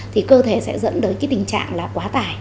thì cơ thể sẽ dẫn đến cái tình trạng là quá tải